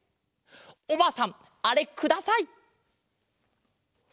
おばあさんあれください！